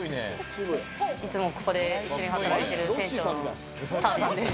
いつもここで一緒に働いている店長のタァさんです。